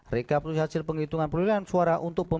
rekapitulasi hasil penghitungan perulangan suara